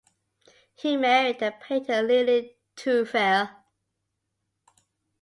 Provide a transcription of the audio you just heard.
He married the painter Lilly Teufel.